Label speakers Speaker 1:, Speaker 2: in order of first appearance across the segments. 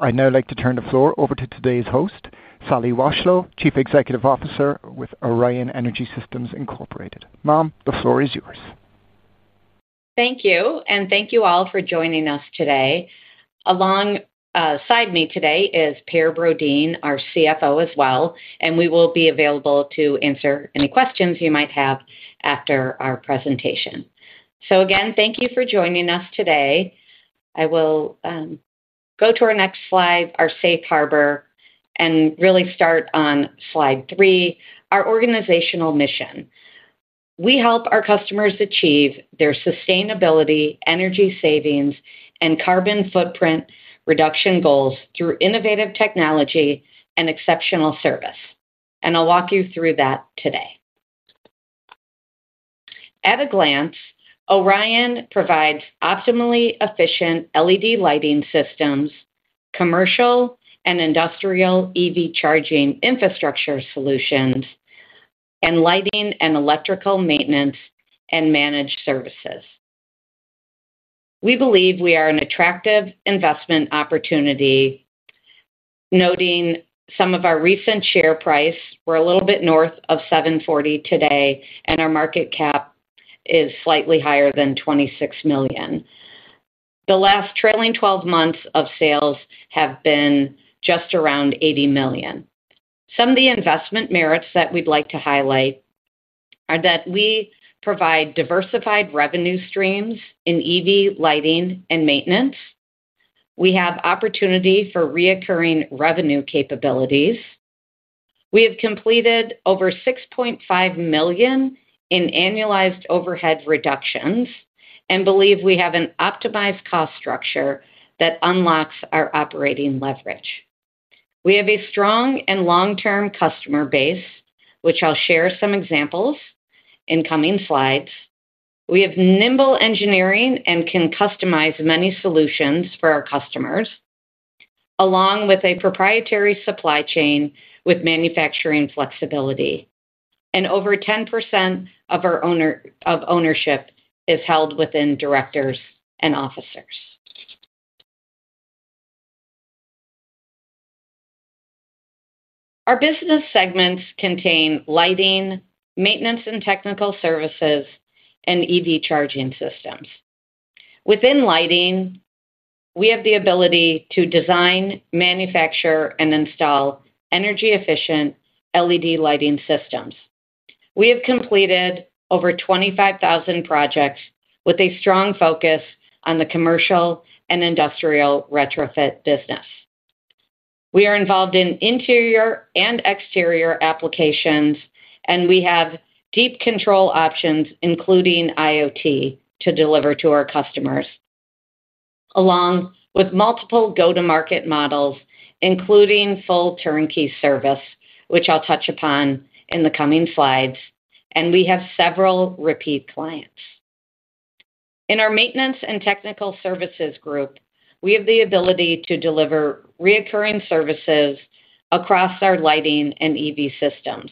Speaker 1: I'd now like to turn the floor over to today's host, Sally Washlow, Chief Executive Officer with Orion Energy Systems Incorporated. Ma'am, the floor is yours.
Speaker 2: Thank you, and thank you all for joining us today. Alongside me today is Per Brodin, our CFO as well, and we will be available to answer any questions you might have after our presentation. Thank you for joining us today. I will go to our next slide, our safe harbor, and really start on slide three, our organizational mission. We help our customers achieve their sustainability, energy savings, and carbon footprint reduction goals through innovative technology and exceptional service. I'll walk you through that today. At a glance, Orion provides optimally efficient LED lighting systems, commercial and industrial EV charging infrastructure solutions, and lighting and electrical maintenance and managed services. We believe we are an attractive investment opportunity, noting some of our recent share price. We're a little bit north of $7.40 today, and our market cap is slightly higher than $26 million. The last trailing 12 months of sales have been just around $80 million. Some of the investment merits that we'd like to highlight are that we provide diversified revenue streams in EV, lighting, and maintenance. We have opportunity for recurring revenue capabilities. We have completed over $6.5 million in annualized overhead reductions and believe we have an optimized cost structure that unlocks our operating leverage. We have a strong and long-term customer base, which I'll share some examples in coming slides. We have nimble engineering and can customize many solutions for our customers, along with a proprietary supply chain with manufacturing flexibility. Over 10% of our ownership is held within directors and officers. Our business segments contain lighting, maintenance and technical services, and EV charging systems. Within lighting, we have the ability to design, manufacture, and install energy-efficient LED lighting systems. We have completed over 25,000 projects with a strong focus on the commercial and industrial retrofit business. We are involved in interior and exterior applications, and we have deep control options, including IoT, to deliver to our customers, along with multiple go-to-market models, including full turnkey service, which I'll touch upon in the coming slides. We have several repeat clients. In our maintenance and technical services group, we have the ability to deliver recurring services across our lighting and EV systems.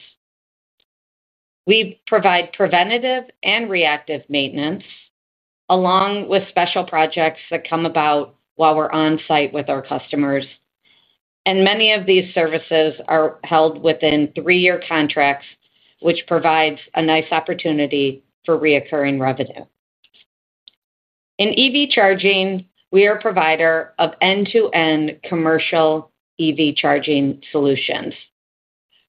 Speaker 2: We provide preventative and reactive maintenance, along with special projects that come about while we're on site with our customers. Many of these services are held within three-year contracts, which provides a nice opportunity for recurring revenue. In EV charging, we are a provider of end-to-end commercial EV charging solutions.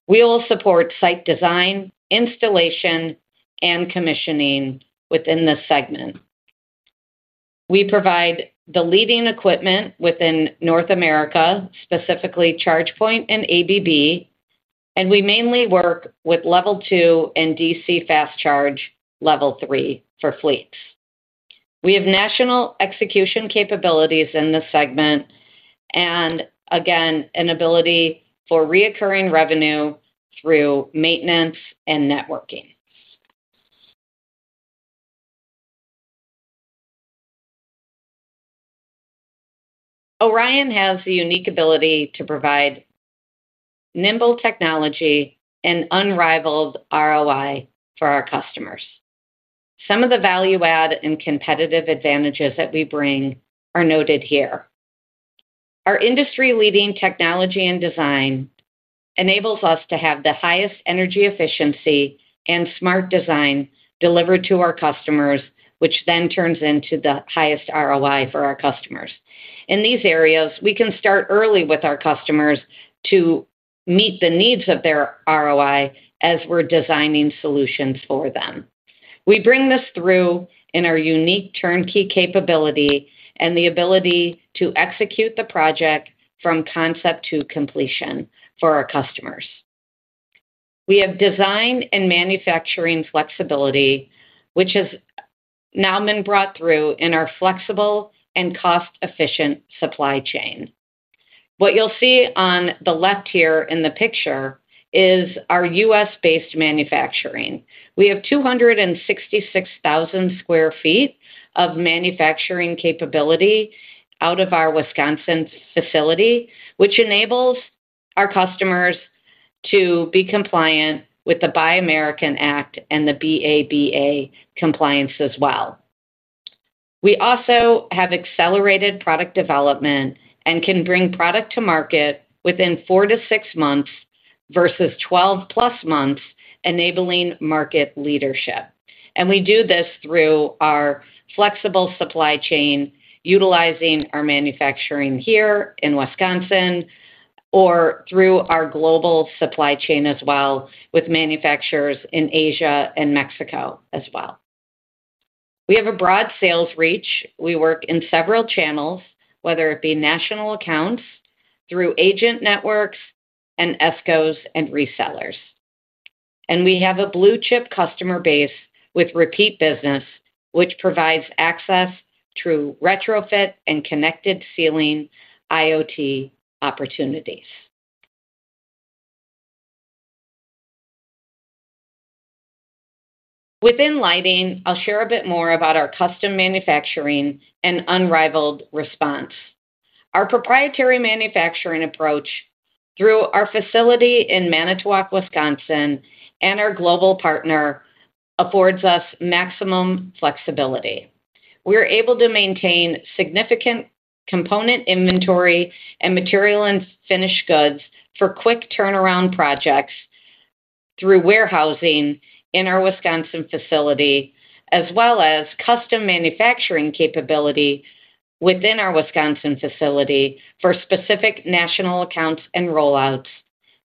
Speaker 2: We will support site design, installation, and commissioning within this segment. We provide the leading equipment within North America, specifically ChargePoint and ABB, and we mainly work with Level 2 and DC Fast Charge Level 3 for fleets. We have national execution capabilities in this segment and, again, an ability for recurring revenue through maintenance and networking. Orion has the unique ability to provide nimble technology and unrivaled ROI for our customers. Some of the value-add and competitive advantages that we bring are noted here. Our industry-leading technology and design enable us to have the highest energy efficiency and smart design delivered to our customers, which then turns into the highest ROI for our customers. In these areas, we can start early with our customers to meet the needs of their ROI as we're designing solutions for them. We bring this through in our unique turnkey capability and the ability to execute the project from concept to completion for our customers. We have design and manufacturing flexibility, which has now been brought through in our flexible and cost-efficient supply chain. What you'll see on the left here in the picture is our U.S.-based manufacturing. We have 266,000 square feet of manufacturing capability out of our Wisconsin facility, which enables our customers to be compliant with the Buy American Act and the BABA compliance as well. We also have accelerated product development and can bring product to market within four to six months versus 12-plus months, enabling market leadership. We do this through our flexible supply chain, utilizing our manufacturing here in Wisconsin or through our global supply chain as well, with manufacturers in Asia and Mexico as well. We have a broad sales reach. We work in several channels, whether it be national accounts, through agent networks, and ESCOs and resellers. We have a blue-chip customer base with repeat business, which provides access through retrofit and connected ceiling IoT opportunities. Within lighting, I'll share a bit more about our custom manufacturing and unrivaled response. Our proprietary manufacturing approach through our facility in Manitowoc, Wisconsin, and our global partner affords us maximum flexibility. We are able to maintain significant component inventory and material and finished goods for quick turnaround projects through warehousing in our Wisconsin facility, as well as custom manufacturing capability within our Wisconsin facility for specific national accounts and rollouts.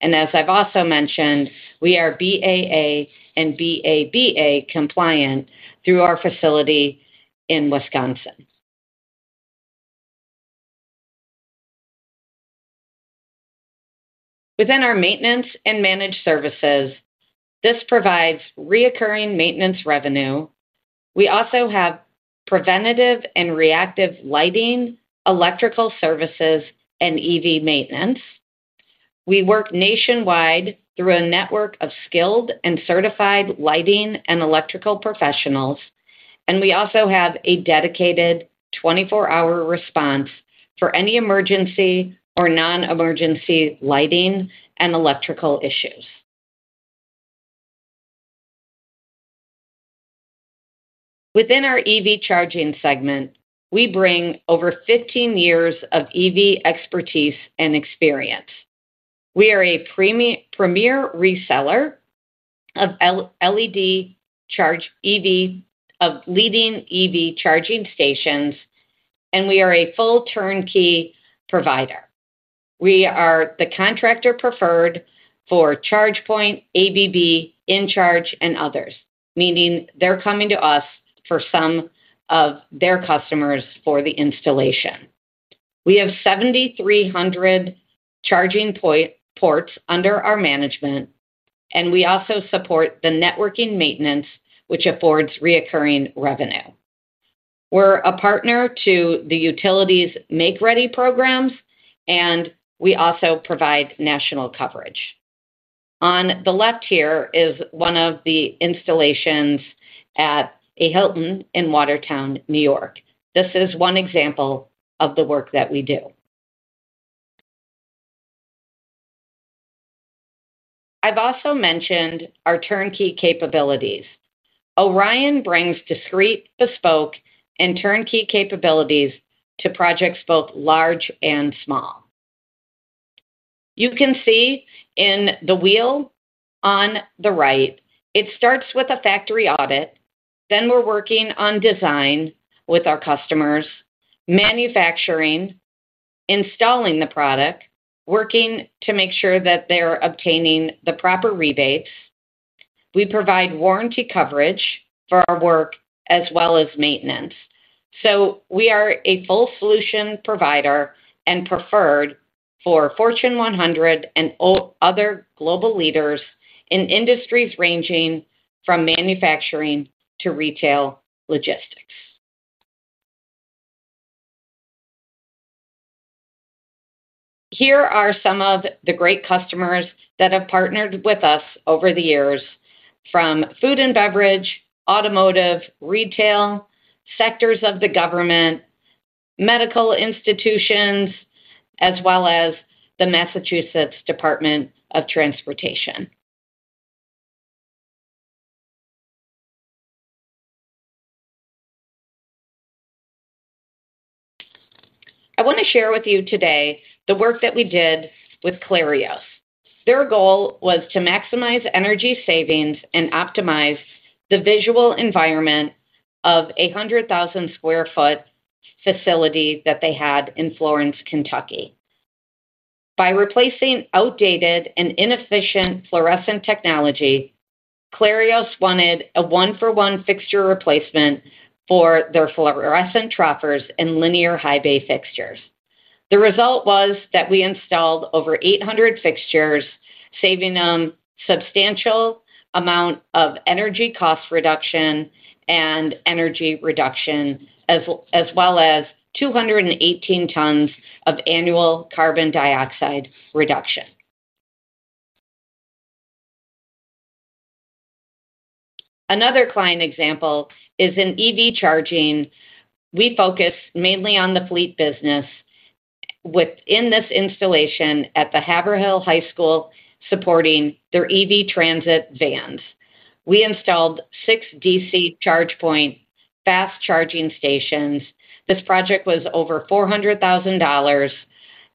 Speaker 2: As I've also mentioned, we are BAA and BABA compliant through our facility in Wisconsin. Within our maintenance and managed services, this provides recurring maintenance revenue. We also have preventative and reactive lighting, electrical services, and EV maintenance. We work nationwide through a network of skilled and certified lighting and electrical professionals, and we also have a dedicated 24-hour response for any emergency or non-emergency lighting and electrical issues. Within our EV charging segment, we bring over 15 years of EV expertise and experience. We are a premier reseller of leading EV charging stations, and we are a full turnkey provider. We are the contractor preferred for ChargePoint, ABB, InCharge, and others, meaning they're coming to us for some of their customers for the installation. We have 7,300 charging ports under our management, and we also support the networking maintenance, which affords recurring revenue. We're a partner to the utility's Make Ready programs, and we also provide national coverage. On the left here is one of the installations at a Hilton in Watertown, New York. This is one example of the work that we do. I've also mentioned our turnkey capabilities. Orion brings discrete, bespoke, and turnkey capabilities to projects both large and small. You can see in the wheel on the right, it starts with a factory audit. Then we're working on design with our customers, manufacturing, installing the product, working to make sure that they are obtaining the proper rebates. We provide warranty coverage for our work as well as maintenance. We are a full solution provider and preferred for Fortune 100 and other global leaders in industries ranging from manufacturing to retail logistics. Here are some of the great customers that have partnered with us over the years, from food and beverage, automotive, retail, sectors of the government, medical institutions, as well as the Massachusetts Department of Transportation. I want to share with you today the work that we did with Clarious. Their goal was to maximize energy savings and optimize the visual environment of a 100,000 square foot facility that they had in Florence, Kentucky. By replacing outdated and inefficient fluorescent technology, Clarious wanted a one-for-one fixture replacement for their fluorescent troffers and linear high bay fixtures. The result was that we installed over 800 fixtures, saving them a substantial amount of energy cost reduction and energy reduction, as well as 218 tons of annual carbon dioxide reduction. Another client example is in EV charging. We focus mainly on the fleet business within this installation at the Haverhill High School, supporting their EV transit vans. We installed six DC ChargePoint fast charging stations. This project was over $400,000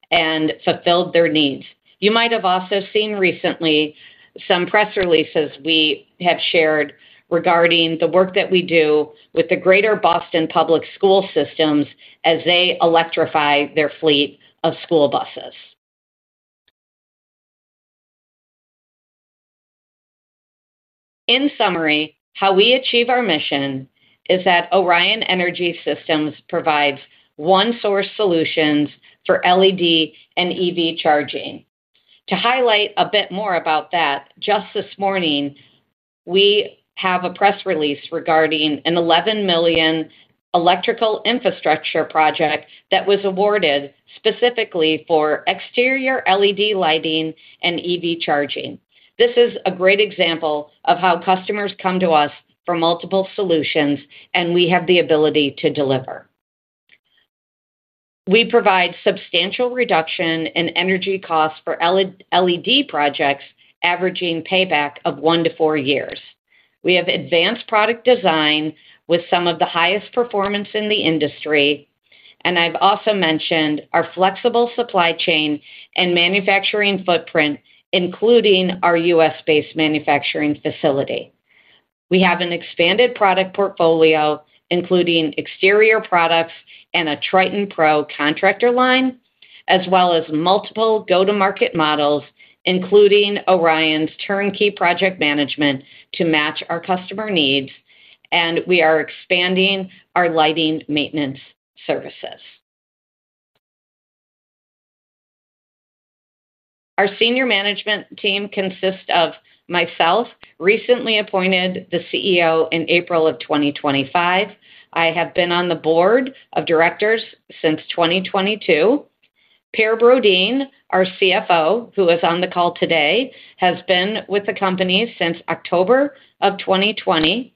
Speaker 2: and fulfilled their needs. You might have also seen recently some press releases we have shared regarding the work that we do with the Greater Boston Public School Systems as they electrify their fleet of school buses. In summary, how we achieve our mission is that Orion Energy Systems provides one-source solutions for LED and EV charging. To highlight a bit more about that, just this morning, we have a press release regarding an $11 million electrical infrastructure project that was awarded specifically for exterior LED lighting and EV charging. This is a great example of how customers come to us for multiple solutions, and we have the ability to deliver. We provide substantial reduction in energy costs for LED projects, averaging payback of one to four years. We have advanced product design with some of the highest performance in the industry. I have also mentioned our flexible supply chain and manufacturing footprint, including our U.S.-based manufacturing facility. We have an expanded product portfolio, including exterior products and a Triton Pro contractor line, as well as multiple go-to-market models, including Orion's turnkey project management to match our customer needs. We are expanding our lighting maintenance services. Our Senior Management Team consists of myself, recently appointed the CEO in April of 2025. I have been on the Board of Directors since 2022. Per Brodin, our CFO, who is on the call today, has been with the company since October of 2020.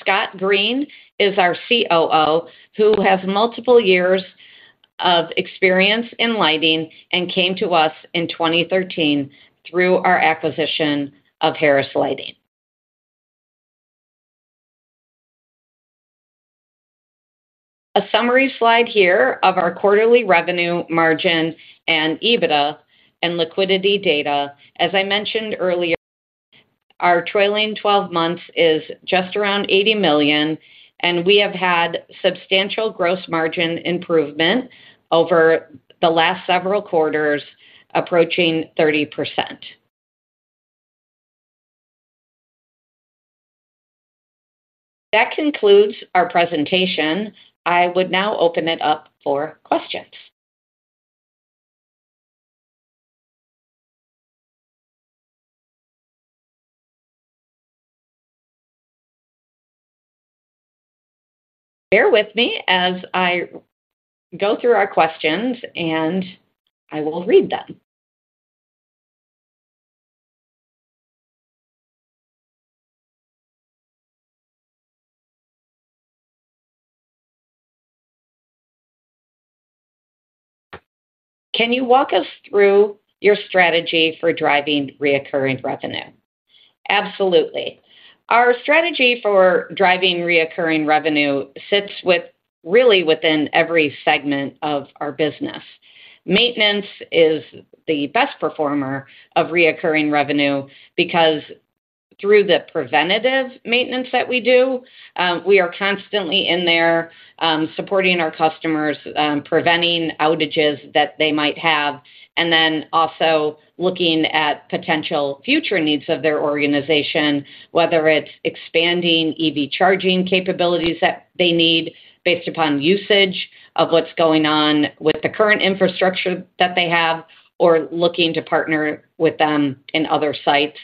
Speaker 2: Scott Green is our COO, who has multiple years of experience in lighting and came to us in 2013 through our acquisition of Harris Lighting. A summary slide here of our quarterly revenue margin and EBITDA and liquidity data. As I mentioned earlier, our trailing 12 months is just around $80 million, and we have had substantial gross margin improvement over the last several quarters, approaching 30%. That concludes our presentation. I would now open it up for questions. Bear with me as I go through our questions, and I will read them. Can you walk us through your strategy for driving recurring revenue? Absolutely. Our strategy for driving recurring revenue sits really within every segment of our business. Maintenance is the best performer of recurring revenue because through the preventative maintenance that we do, we are constantly in there supporting our customers, preventing outages that they might have, and then also looking at potential future needs of their organization, whether it's expanding EV charging capabilities that they need based upon usage of what's going on with the current infrastructure that they have or looking to partner with them in other sites.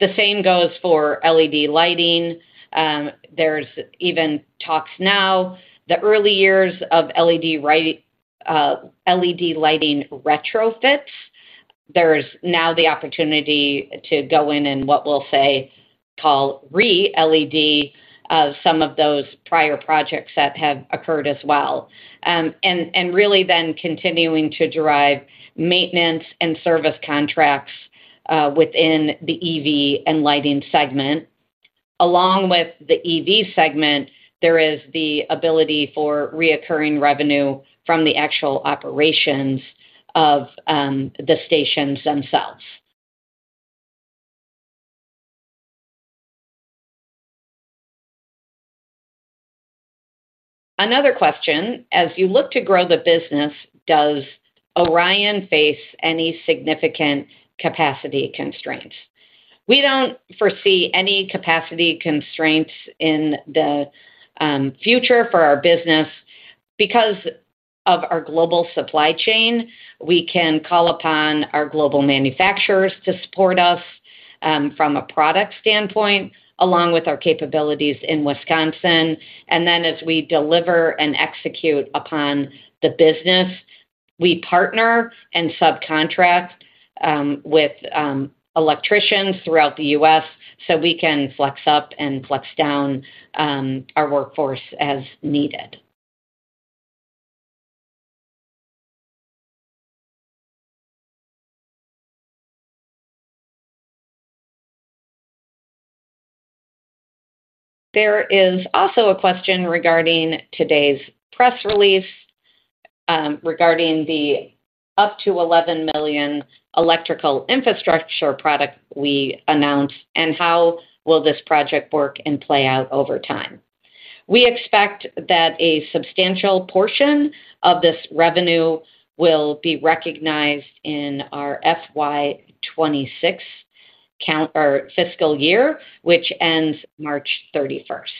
Speaker 2: The same goes for LED lighting. There are even talks now, the early years of LED lighting retrofits. There is now the opportunity to go in and what we'll say call re-LED some of those prior projects that have occurred as well. Really then continuing to drive maintenance and service contracts within the EV and lighting segment. Along with the EV segment, there is the ability for recurring revenue from the actual operations of the stations themselves. Another question, as you look to grow the business, does Orion face any significant capacity constraints? We don't foresee any capacity constraints in the future for our business because of our global supply chain. We can call upon our global manufacturers to support us from a product standpoint, along with our capabilities in Wisconsin. As we deliver and execute upon the business, we partner and subcontract with electricians throughout the U.S. so we can flex up and flex down our workforce as needed. There is also a question regarding today's press release regarding the up to $11 million electrical infrastructure project we announced and how will this project work and play out over time. We expect that a substantial portion of this revenue will be recognized in our FY26 fiscal year, which ends March 31, 2026.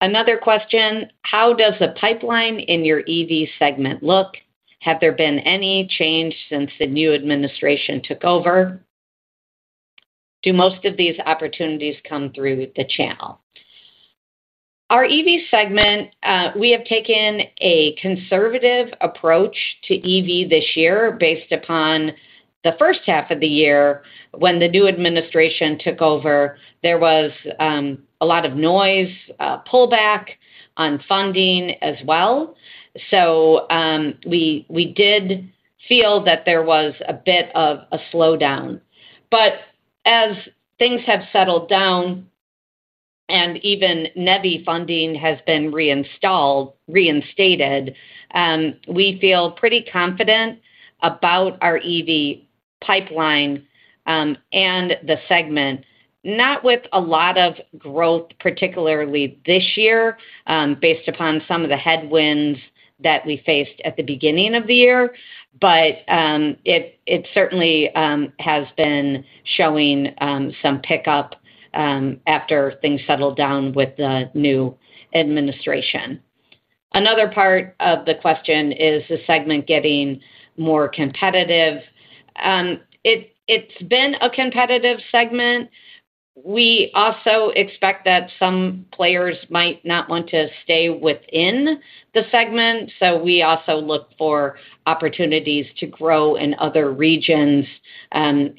Speaker 2: Another question, how does a pipeline in your EV segment look? Have there been any change since the new administration took over? Do most of these opportunities come through the channel? Our EV segment, we have taken a conservative approach to EV this year based upon the first half of the year when the new administration took over. There was a lot of noise, pullback on funding as well. We did feel that there was a bit of a slowdown. As things have settled down and even NEVI funding has been reinstated, we feel pretty confident about our EV pipeline and the segment, not with a lot of growth, particularly this year, based upon some of the headwinds that we faced at the beginning of the year. It certainly has been showing some pickup after things settled down with the new administration. Another part of the question is the segment getting more competitive. It's been a competitive segment. We also expect that some players might not want to stay within the segment. We also look for opportunities to grow in other regions and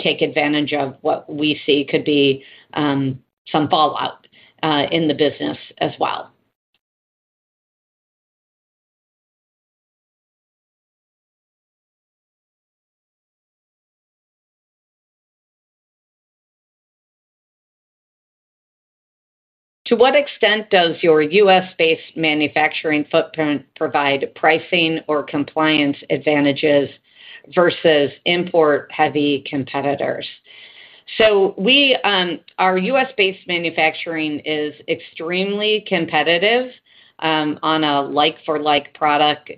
Speaker 2: take advantage of what we see could be some fallout in the business as well. To what extent does your U.S.-based manufacturing footprint provide pricing or compliance advantages versus import-heavy competitors? Our U.S.-based manufacturing is extremely competitive on a like-for-like product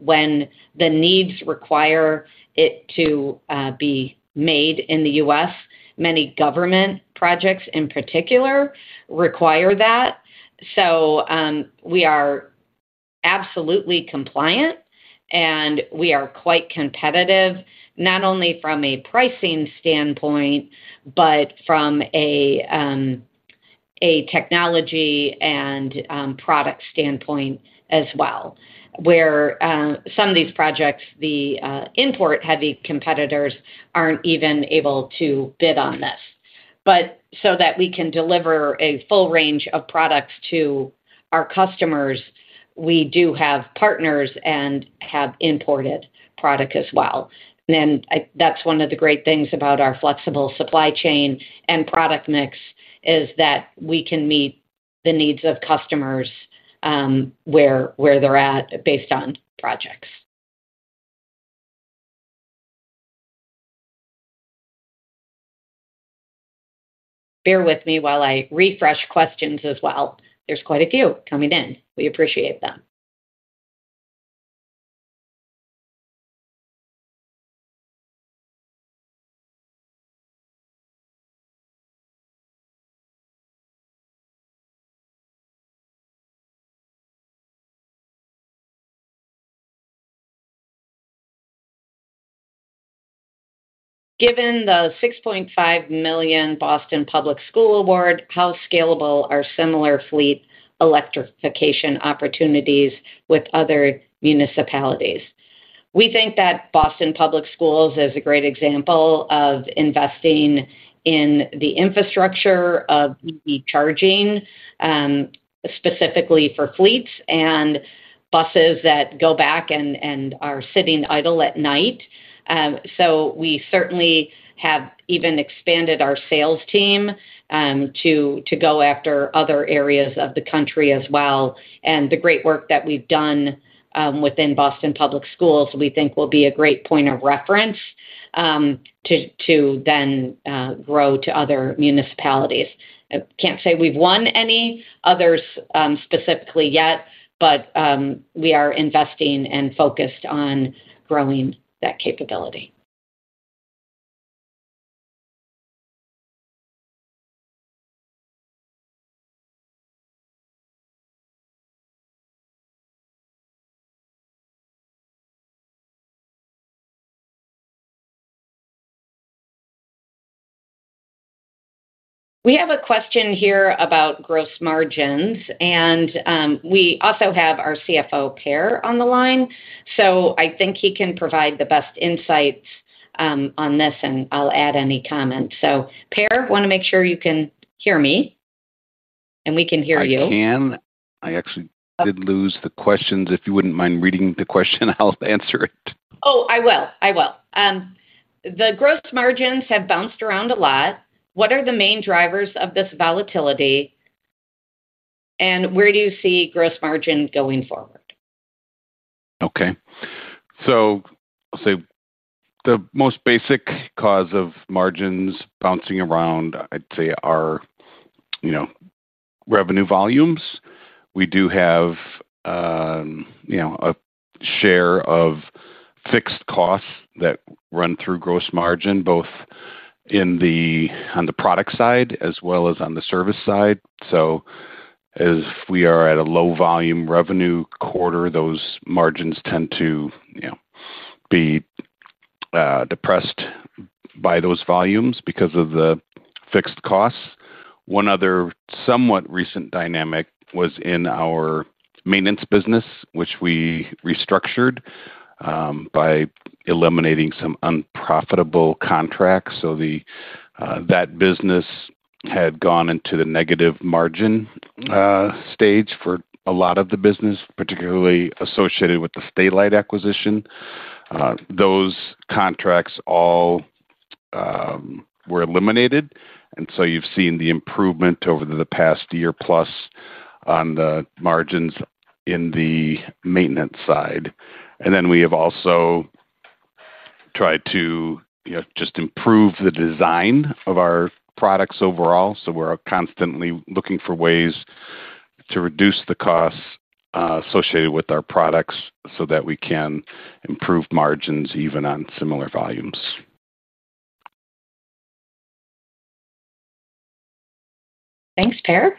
Speaker 2: when the needs require it to be made in the U.S. Many government projects in particular require that. We are absolutely compliant and we are quite competitive, not only from a pricing standpoint but from a technology and product standpoint as well, where some of these projects, the import-heavy competitors aren't even able to bid on this. So that we can deliver a full range of products to our customers, we do have partners and have imported product as well. One of the great things about our flexible supply chain and product mix is that we can meet the needs of customers where they're at based on projects. Bear with me while I refresh questions as well. There's quite a few coming in. We appreciate them. Given the $6.5 million Boston Public Schools award, how scalable are similar fleet electrification opportunities with other municipalities? We think that Boston Public Schools is a great example of investing in the infrastructure of EV charging, specifically for fleets and buses that go back and are sitting idle at night. We certainly have even expanded our sales team to go after other areas of the country as well. The great work that we've done within Boston Public Schools, we think will be a great point of reference to then grow to other municipalities. I can't say we've won any others specifically yet, but we are investing and focused on growing that capability. We have a question here about gross margins, and we also have our CFO, Per, on the line. I think he can provide the best insights on this, and I'll add any comments. Per, I want to make sure you can hear me, and we can hear you.
Speaker 3: I can. I actually did lose the questions. If you wouldn't mind reading the question, I'll answer it.
Speaker 2: I will. The gross margins have bounced around a lot. What are the main drivers of this volatility, and where do you see gross margin going forward?
Speaker 3: Okay. I'll say the most basic cause of margins bouncing around, I'd say, are revenue volumes. We do have a share of fixed costs that run through gross margin, both on the product side as well as on the service side. If we are at a low-volume revenue quarter, those margins tend to be depressed by those volumes because of the fixed costs. One other somewhat recent dynamic was in our maintenance business, which we restructured by eliminating some unprofitable contracts. That business had gone into the negative margin stage for a lot of the business, particularly associated with the Statelight acquisition. Those contracts all were eliminated. You've seen the improvement over the past year plus on the margins in the maintenance side. We have also tried to just improve the design of our products overall. We're constantly looking for ways to reduce the costs associated with our products so that we can improve margins even on similar volumes.
Speaker 2: Thanks, Per.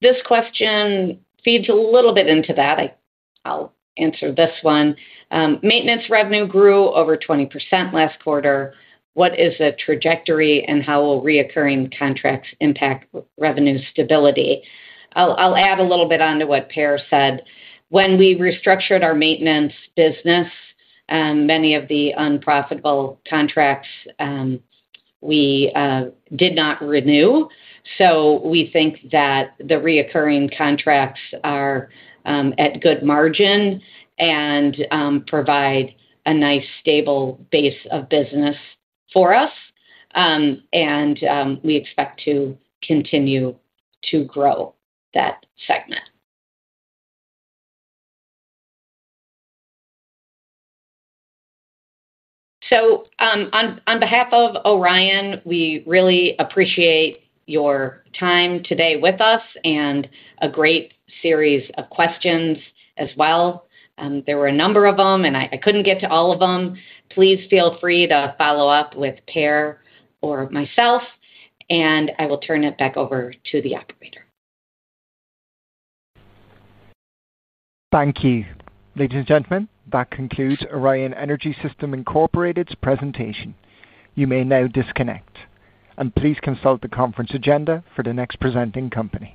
Speaker 2: This question feeds a little bit into that. I'll answer this one. Maintenance revenue grew over 20% last quarter. What is the trajectory and how will recurring contracts impact revenue stability? I'll add a little bit on to what Per said. When we restructured our maintenance business, many of the unprofitable contracts we did not renew. We think that the recurring contracts are at good margin and provide a nice stable base of business for us. We expect to continue to grow that segment. On behalf of Orion, we really appreciate your time today with us and a great series of questions as well. There were a number of them, and I couldn't get to all of them. Please feel free to follow up with Per or myself, and I will turn it back over to the operator.
Speaker 1: Thank you. Ladies and gentlemen, that concludes Orion Energy Systems Incorporated's presentation. You may now disconnect, and please consult the conference agenda for the next presenting company.